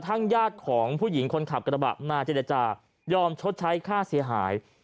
ญาติของผู้หญิงคนขับกระบะมาเจรจายอมชดใช้ค่าเสียหาย